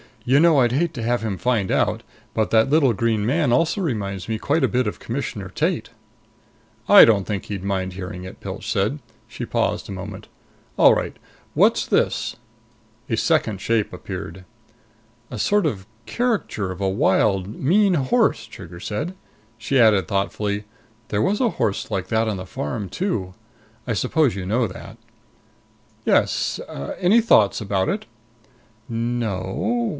"You know, I'd hate to have him find out but that little green man also reminds me quite a bit of Commissioner Tate." "I don't think he'd mind hearing it," Pilch said. She paused a moment. "All right what's this?" A second shape appeared. "A sort of caricature of a wild, mean horse," Trigger said. She added thoughtfully, "there was a horse like that on that farm, too. I suppose you know that?" "Yes. Any thoughts about it?" "No o o.